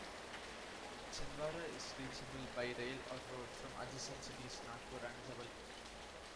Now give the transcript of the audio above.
Chhindwara is reachable by rail or road from adjacent cities Nagpur and Jabalpur.